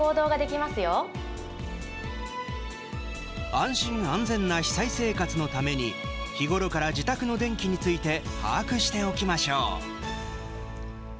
安心・安全な被災生活のために日ごろから自宅の電気について把握しておきましょう。